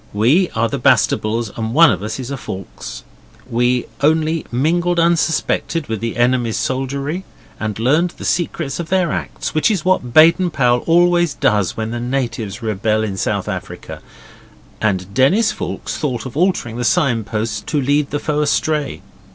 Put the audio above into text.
We are the Bastables and one of us is a Foulkes. We only mingled unsuspected with the enemy's soldiery and learned the secrets of their acts, which is what Baden Powell always does when the natives rebel in South Africa; and Denis Foulkes thought of altering the sign posts to lead the foe astray.